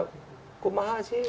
kok mahal sih